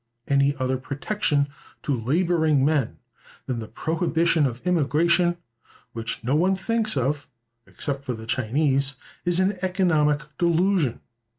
Any other protection to laboring men than the prohibition of immigration—which no one thinks of (except for the Chinese)—is an economic delusion.